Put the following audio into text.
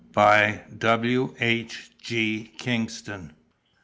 By W. H. G. KINGSTON.